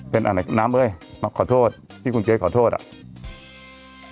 เป็นอะไรน้ำเอ้ยขอโทษพี่คุณเกรดขอโทษอ่ะ